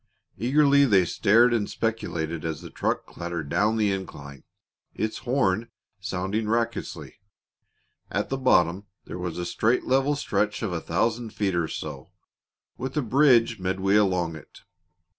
Eagerly they stared and speculated as the truck clattered down the incline, its horn sounding raucously. At the bottom there was a straight level stretch of a thousand feet or so, with a bridge midway along it.